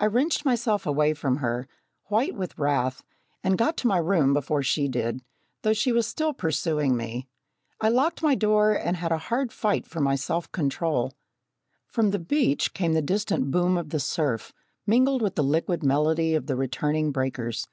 I wrenched myself away from her, white with wrath, and got to my room before she did, though she was still pursuing me. I locked my door and had a hard fight for my self control. From the beach came the distant boom of the surf, mingled with the liquid melody of the returning breakers.